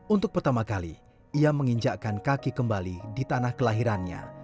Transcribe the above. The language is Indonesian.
untuk pertama kali ia menginjakkan kaki kembali di tanah kelahirannya